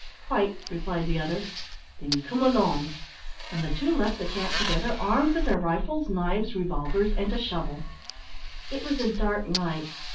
"Quite," replied the other. "Then come along." And the two left the camp together, armed with their rifles, knives, revolvers, and a shovel. It was a dark night.